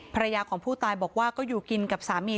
ภรรยาของผู้ตายบอกว่าก็อยู่กินกับสามี